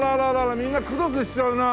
みんなクロスしちゃうなあ。